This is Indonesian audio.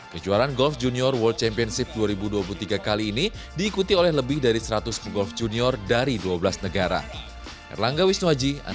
kejuaraan golf junior world championship dua ribu dua puluh tiga kali ini diikuti oleh lebih dari seratus pegolf junior dari dua belas negara